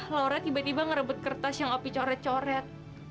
laura tiba tiba ngerebut kertas yang api coret coret